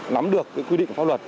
nắm được cái quy định pháp luật